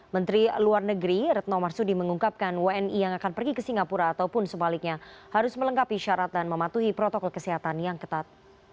menteri luar negeri retno marsudi mengungkapkan wni yang akan pergi ke singapura ataupun sebaliknya harus melengkapi syarat dan mematuhi protokol kesehatan yang ketat